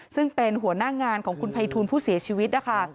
ซึ่งเป็นหัวหน้างานของคุณภัยทูลผู้เสียชีวิตนะคะ